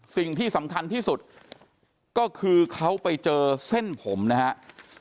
สิ่งที่สำคัญที่สุดก็คือเขาไปเจอเส้นผมนะครับ